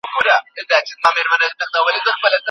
د جرګي پرېکړې څوک عملي کوي؟